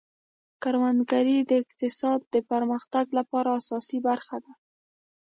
کروندګري د اقتصاد د پرمختګ لپاره اساسي برخه ده.